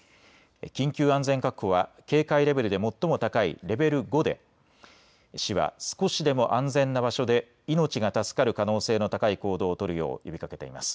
緊急安全確保は警戒レベルで最も高いレベル５で市は少しでも安全な場所で命が助かる可能性の高い行動を取るよう呼びかけています。